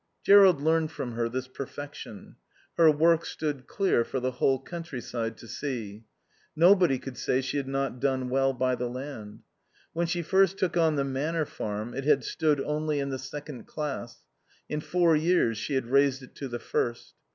Jerrold learned from her this perfection. Her work stood clear for the whole countryside to see. Nobody could say she had not done well by the land. When she first took on the Manor Farm it had stood only in the second class; in four years she had raised it to the first.